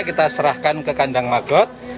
kita serahkan ke kandang magot